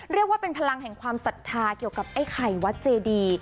เรียกว่าเป็นพลังแห่งความศรัทธาเกี่ยวกับไอ้ไข่วัดเจดี